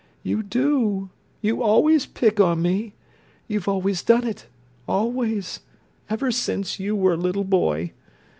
"You do—you always pick on me! You've always done it—always—ever since you were a little boy!